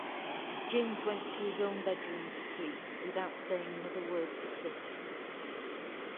James went to his own bedroom to sleep without saying another word to Clift.